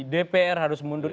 dpr harus mundur